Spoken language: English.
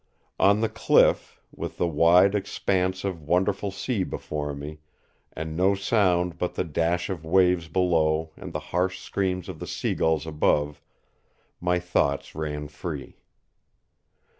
On the cliff, with the wide expanse of wonderful sea before me, and no sound but the dash of waves below and the harsh screams of the seagulls above, my thoughts ran free.